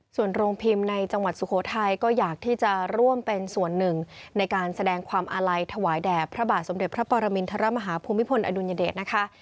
ส่วนโรงพิมพ์ในจังหวัดสุโขทัยก็อยากที่จะร่วมเป็นส่วนหนึ่งในการแสดงความอาลัยถวายแด่พระบาทสมเด็จพระปรมินทรมาฮาภูมิพลอดุลยเดชนะคะ